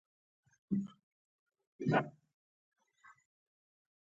د شفق رنګونه د قدرت یو ښکلی هنر دی.